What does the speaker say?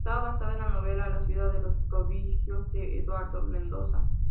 Está basada en la novela La ciudad de los prodigios de Eduardo Mendoza.